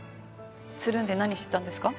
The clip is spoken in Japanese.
つるんで何してたんですか？